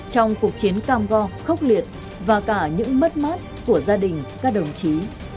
trong cuộc chiến cam go khốc liệt và cả những mất mát của gia đình các đồng chí